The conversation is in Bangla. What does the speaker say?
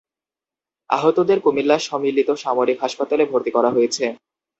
আহতদের কুমিল্লা সম্মিলিত সামরিক হাসপাতালে ভর্তি করা হয়েছে।